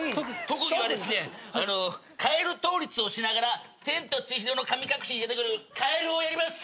特技はですねカエル倒立をしながら『千と千尋の神隠し』に出てくるカエルをやります。